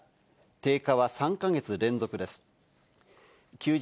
低下は３か月連続です。